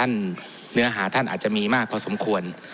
เนื้อหาท่านอาจจะมีมากพอสมควร